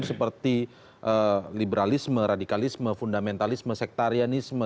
seperti liberalisme radikalisme fundamentalisme sektarianisme